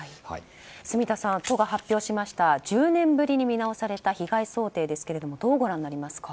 住田さん、都が発表しました１０年ぶりに見直された被害想定ですけどもどうご覧になりますか？